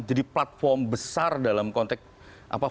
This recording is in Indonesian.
jadi platform besar dalam konteks visi program